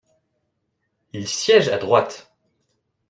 Il siège à droite.